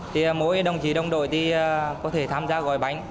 thì mỗi đồng chí đồng đội thì có thể tham gia gói bánh